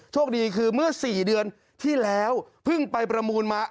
คดีคือเมื่อ๔เดือนที่แล้วเพิ่งไปประมูลมา